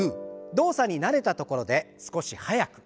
動作に慣れたところで少し速く。